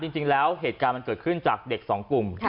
จริงแล้วเหตุการณ์มันเกิดขึ้นจากเด็กสองกลุ่ม